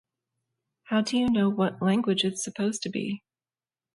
How do you know what language it's supposed to be?